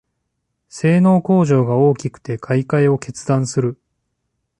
性能向上が大きくて買いかえを決断する